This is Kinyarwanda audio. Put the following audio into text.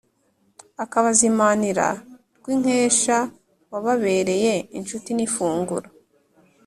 akabazimanira rwinkesha wababereye inshuti n' ifunguro.